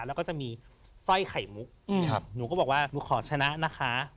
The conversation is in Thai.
แล้วก็จะมีสร้อยไข่มุกหนูก็บอกว่าหนูขอชนะนะคะ